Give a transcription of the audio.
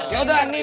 ya udah nih